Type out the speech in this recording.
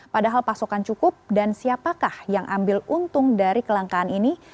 padahal pasokan cukup dan siapakah yang ambil untung dari kelangkaan ini